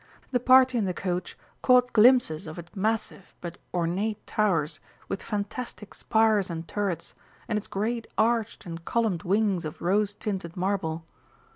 The party in the coach caught glimpses of its massive but ornate towers with fantastic spires and turrets, and its great arched and columned wings of rose tinted marble.